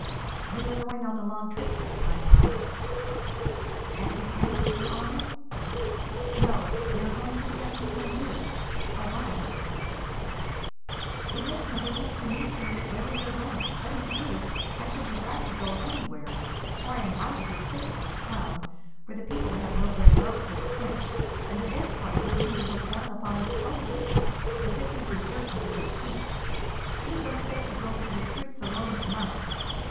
"We are going on a long trip this time, Mike." "Back to France, your honour?" "No; we are going to the western frontier, by Badajos." "It makes no difference to me, sir, where we are going; but, in truth, I shall be glad to go anywhere, for I am mightily sick of this town, where the people have no great love for the French, and the best part of them seem to look down upon us soldiers, as if we were dirt under their feet. It is unsafe to go through the streets alone at night.